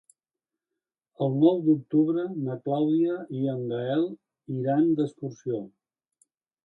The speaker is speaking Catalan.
El nou d'octubre na Clàudia i en Gaël iran d'excursió.